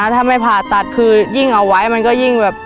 ถ้าไม่ผ่าตัดคือยิ่งเอาไว้มันก็ยิ่งแบบ